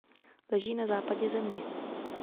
Leží na západě země.